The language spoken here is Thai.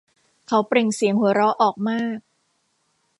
เขาเปล่งเสียงหัวเราะออกมาก